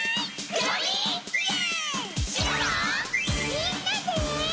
みんなで！